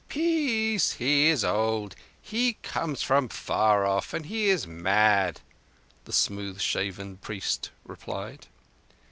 "Peace, he is old: he comes from far off, and he is mad," the smooth shaven priest replied.